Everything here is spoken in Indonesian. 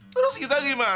terus kita gimana